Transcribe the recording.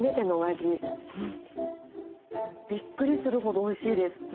びっくりするほどおいしいです。